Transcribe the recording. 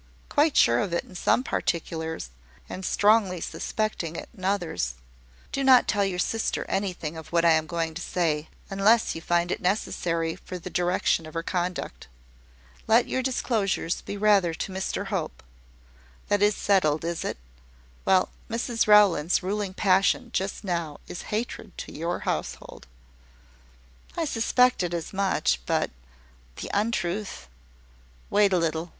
"Quite sure of it in some particulars, and strongly suspecting it in others. Do not tell your sister anything of what I am going to say, unless you find it necessary for the direction of her conduct. Let your disclosures be rather to Mr Hope. That is settled, is it? Well, Mrs Rowland's ruling passion just now is hatred to your household." "I suspected as much. But the untruth." "Wait a little.